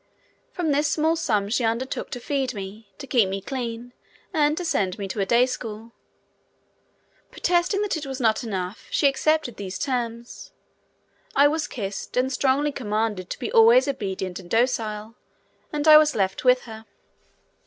For this small sum she undertook to feed me, to keep me clean, and to send me to a day school. Protesting that it was not enough, she accepted these terms. I was kissed and strongly commanded to be always obedient and docile, and I was left with her.